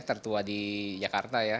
tertua di jakarta ya